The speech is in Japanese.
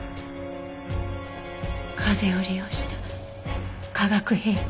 風を利用した科学兵器。